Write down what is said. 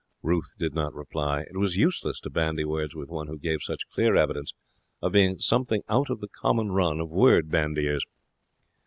Ruth did not reply. It was useless to bandy words with one who gave such clear evidence of being something out of the common run of word bandiers.